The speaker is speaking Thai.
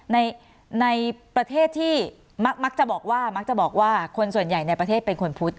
ในประเทศที่มักจะบอกว่ามักจะบอกว่าคนส่วนใหญ่ในประเทศเป็นคนพุทธ